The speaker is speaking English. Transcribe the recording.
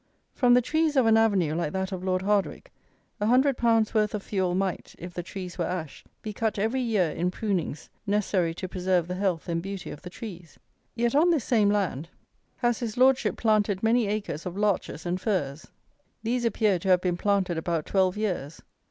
From the trees of an avenue like that of Lord Hardwicke a hundred pounds worth of fuel might, if the trees were ash, be cut every year in prunings necessary to preserve the health and beauty of the trees. Yet, on this same land, has his lordship planted many acres of larches and firs. These appear to have been planted about twelve years.